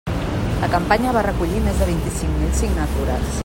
La campanya va recollir més de vint-i-cinc mil signatures.